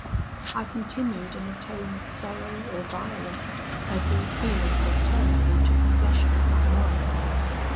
"I continued in a tone of sorrow or violence, as these feelings alternately took possession of my mind.